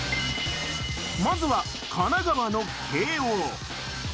まずは神奈川の慶応。